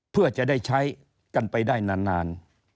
เพื่อจะได้ใช้กันไปได้นาน